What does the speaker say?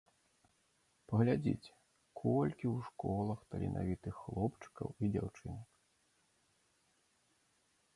Паглядзіце, колькі ў школах таленавітых хлопчыкаў і дзяўчынак.